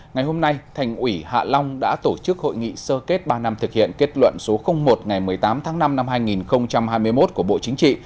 ngày hôm nay thành ủy hạ long đã tổ chức hội nghị sơ kết ba năm thực hiện kết luận số một ngày một mươi tám tháng năm năm hai nghìn hai mươi một của bộ chính trị